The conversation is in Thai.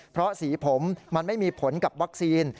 เพราะสีผมมันไม่มีผลกับวัคซีน